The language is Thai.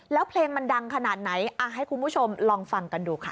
แล้วเพลงมันดังขนาดไหนให้คุณผู้ชมลองฟังกันดูค่ะ